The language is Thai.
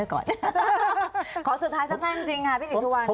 ขอสุดท้ายสักท่านจริงค่ะพี่สิทธุวัน